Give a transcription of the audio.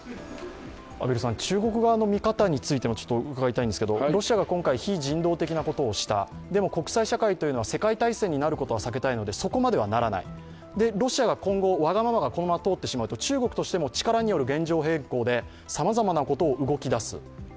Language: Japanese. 中国側の見方についても、伺いたいんですけどロシアが今回、非人道的なことをした、でも、国際社会は世界大戦になることは避けたいので、そこまではならない、ロシアは今後わがままがこのまま通ってしまうと中国としても力による現状変更でさまざまなことに動き出す。